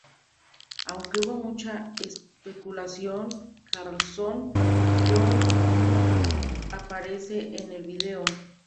Aunque hubo mucha especulación, Carlson Young no aparece en el vídeo.